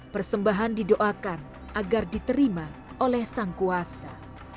persembahan didoakan agar diterima oleh sang kuasa